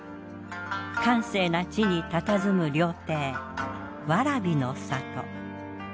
閑静な地にたたずむ料亭わらびの里。